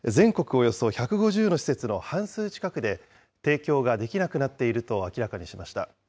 およそ１５０の施設の半数近くで提供ができなくなっていると明らかにしました。